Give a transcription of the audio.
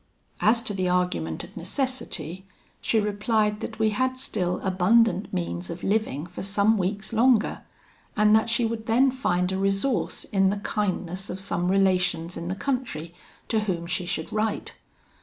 As to the argument of necessity, she replied that we had still abundant means of living for some weeks longer, and that she would then find a resource in the kindness of some relations in the country, to whom she should write.